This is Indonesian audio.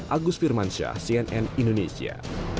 agus firmansyah cnn indonesia